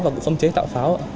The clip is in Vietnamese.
và cũng không chế tạo pháo